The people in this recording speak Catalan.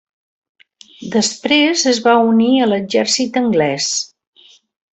Després es va unir a l'exèrcit anglès.